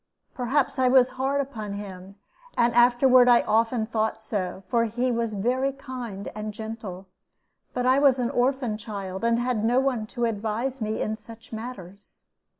Perhaps I was hard upon him, and afterward I often thought so, for he was very kind and gentle; but I was an orphan child, and had no one to advise me in such matters.